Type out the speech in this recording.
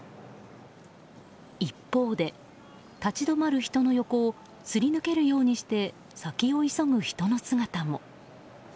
一方で立ち止まる人の横をすり抜けるようにして先を急ぐ人の姿も。